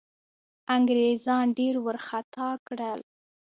انګرېزان ډېر وارخطا کړل.